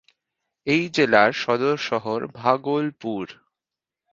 এই জেলার সদর শহর ভাগলপুর।